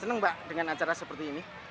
senang mbak dengan acara seperti ini